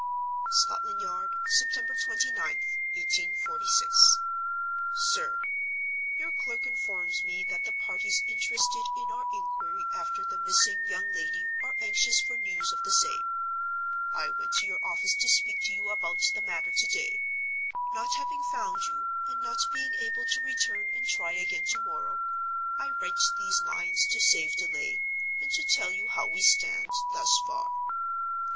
"Scotland Yard, "September 29th, 1846. "SIR,— "Your clerk informs me that the parties interested in our inquiry after the missing young lady are anxious for news of the same. I went to your office to speak to you about the matter to day. Not having found you, and not being able to return and try again to morrow, I write these lines to save delay, and to tell you how we stand thus far.